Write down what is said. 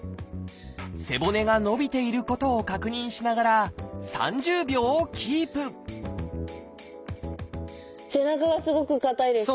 背骨が伸びていることを確認しながら３０秒キープ背中がすごく硬いです。